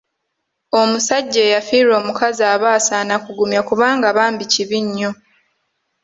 Omusajja eyafiirwa omukazi aba asaana kugumya kubanga bambi kibi nnyo.